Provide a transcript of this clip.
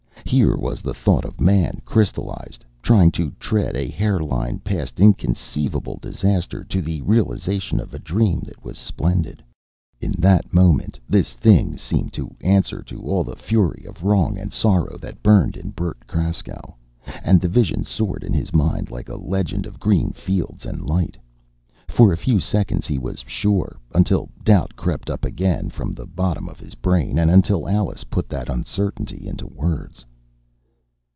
Here was the thought of man crystallized trying to tread a hairline past inconceivable disaster, to the realization of a dream that was splendid. In that moment this thing seemed the answer to all the fury of wrong and sorrow that burned in Bert Kraskow. And the vision soared in his mind like a legend of green fields and light. For a few seconds he was sure, until doubt crept up again from the bottom of his brain, and until Alice put that uncertainty into words.